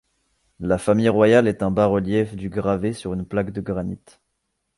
La famille royale est un bas-relief du gravé sur une plaque de granite.